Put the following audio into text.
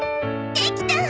できたわ！